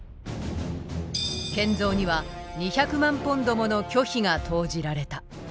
建造には２００万ポンドもの巨費が投じられた。